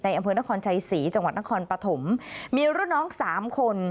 อำเภอนครชัยศรีจังหวัดนครปฐมมีรุ่นน้องสามคน